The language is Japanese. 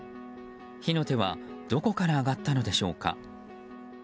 火の手はどこから上がったのでしょうか。